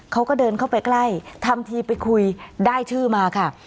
เขาก็เดินเข้าไปใกล้ทำทีไปคุยได้ชื่อมาค่ะ